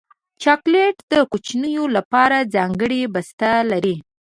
چاکلېټ د کوچنیو لپاره ځانګړی بسته لري.